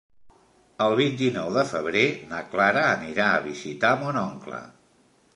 El vint-i-nou de febrer na Clara anirà a visitar mon oncle.